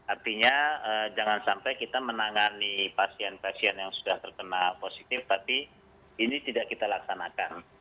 artinya jangan sampai kita menangani pasien pasien yang sudah terkena positif tapi ini tidak kita laksanakan